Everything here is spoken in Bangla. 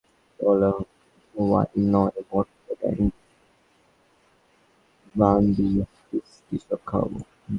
কেবল ওয়াইন নয়, ভদকা, ব্যান্ডি, হুস্কি, সব খাওয়াবো।